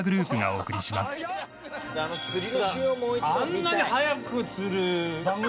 あんなに早く釣る番組